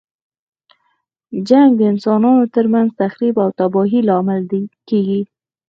جنګ د انسانانو تر منځ تخریب او تباهۍ لامل کیږي.